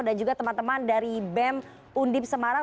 dan juga teman teman dari bem undip semarang